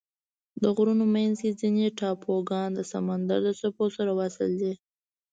د غرونو منځ کې ځینې ټاپوګان د سمندر د څپو سره وصل دي.